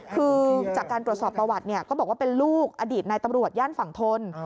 คือจากการตรวจสอบประวัติก็บอกว่าเป็นลูกอดีตนายตำรวจย่านฝั่งทน